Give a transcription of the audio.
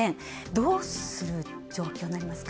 どうする状況になりますか？